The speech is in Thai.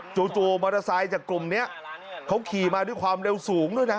จู่มอเตอร์ไซค์จากกลุ่มนี้เขาขี่มาด้วยความเร็วสูงด้วยนะ